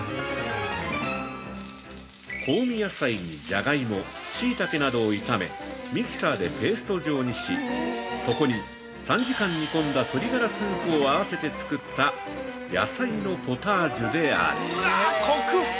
香味野菜にじゃがいも、しいたけなどを炒め、ミキサーでペースト状にし、そこに、３時間煮込んだ鶏がらスープを合わせて作った「野菜のポタージュ」である。